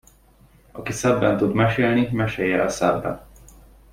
Aki szebben tud mesélni, mesélje el szebben!